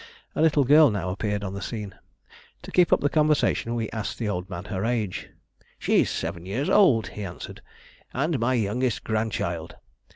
A little girl now appeared on the scene. To keep up the conversation we asked the old man her age. "She's seven years old," he answered, "and my youngest grandchild.